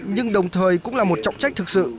nhưng đồng thời cũng là một trọng trách thực sự